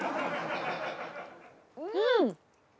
うん！